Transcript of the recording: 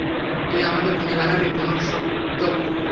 তুই আমাকে খুনী বানাবি, পুরুষোত্তম।